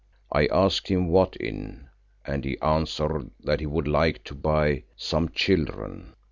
I asked him what in, and he answered that he would like to buy some children.